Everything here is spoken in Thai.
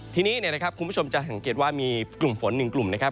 ทีนี้นะครับคุณผู้ชมจะสังเกตว่ามีกลุ่มฝนหนึ่งกลุ่มนะครับ